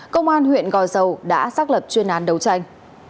công an huyện gò dầu đã xác lập chuyên án đấu tranh